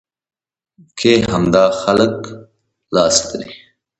کې همدا خلک لاس لري.